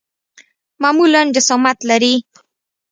معمولاً جسامت لري.